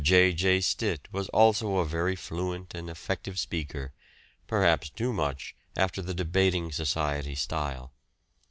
J. J. Stitt was also a very fluent and effective speaker, perhaps too much after the debating society style.